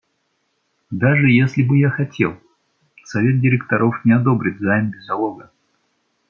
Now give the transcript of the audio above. Даже если бы я хотел, совет директоров не одобрит займ без залога.